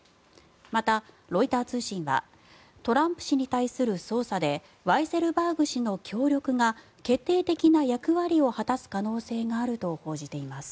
また、ロイター通信はトランプ氏に対する捜査でワイセルバーグ氏の協力が決定的な役割を果たす可能性があると報じています。